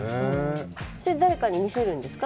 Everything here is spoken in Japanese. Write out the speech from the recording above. それは誰かに見せるんですか？